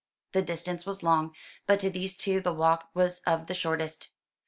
The distance was long; but to these two the walk was of the shortest.